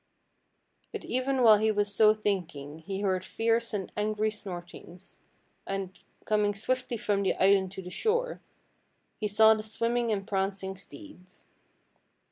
But even while he was so thinking he heard fierce and angry snortings, and, coming swiftly from the island to the shore, he saw the swimming and prancing steeds.